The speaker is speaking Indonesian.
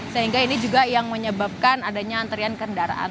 sehingga ini juga yang menyebabkan adanya antrian kendaraan